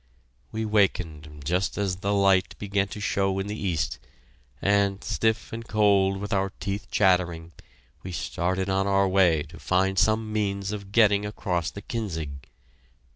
We wakened just as the light began to show in the east, and, stiff and cold, with our teeth chattering, we started on our way to find some means of getting across the Kinzig.